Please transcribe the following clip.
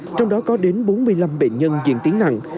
trong đó có đến bốn mươi năm bệnh nhân diện tiến nặng